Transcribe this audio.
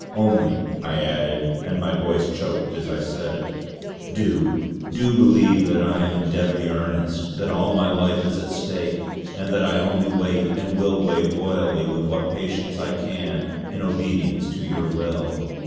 Only" I added and my voice choked as I said it "Do, do believe that I am in deadly earnest; that all my life is at stake; and that I only wait, and I will wait loyally with what patience I can, in obedience to your will.